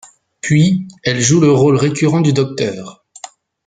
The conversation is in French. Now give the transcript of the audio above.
Puis, elle joue le rôle récurrent du Dr.